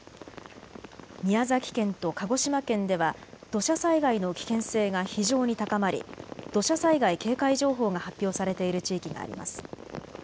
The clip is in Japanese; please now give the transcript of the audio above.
宮崎県と鹿児島県では土砂災害の危険性が非常に高まり土砂災害警戒情報が発表されている地域があります。